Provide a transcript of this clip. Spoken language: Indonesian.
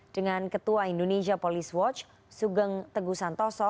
dengan ketua indonesia police watch sugeng teguh santoso